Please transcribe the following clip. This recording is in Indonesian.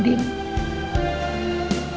dan untuk memperbaiki kehidupanmu